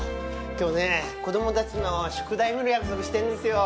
今日ね子供たちの宿題見る約束してるんですよ。